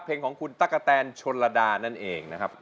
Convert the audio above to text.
แล้วน้องใบบัวร้องได้หรือว่าร้องผิดครับ